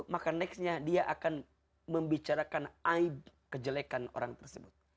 maka nextnya dia akan membicarakan kejelekan orang tersebut